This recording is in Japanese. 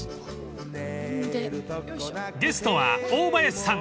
［ゲストは大林さん